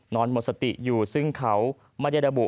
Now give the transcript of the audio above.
หมดสติอยู่ซึ่งเขาไม่ได้ระบุ